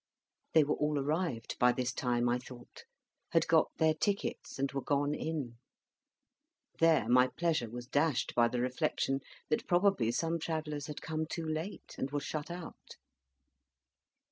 They were all arrived by this time, I thought, had got their tickets, and were gone in. There my pleasure was dashed by the reflection that probably some Travellers had come too late and were shut out.